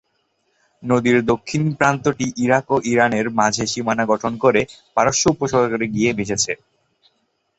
নদীর দক্ষিণ প্রান্তটি ইরাক ও ইরান-এর মাঝে সীমানা গঠন ক'রে পারস্য উপসাগর-এ গিয়ে মিশেছে।